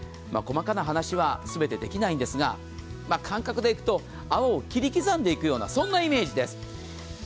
細かな話は全てできないんですが、感覚でいくと泡を切り刻んでいくようなイメージです。